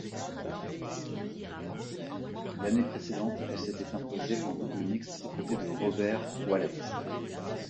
L'année précédente, elle s'était imposée en double mixte aux côtés de Robert Wallet.